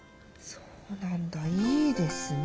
そうなんだいいですね。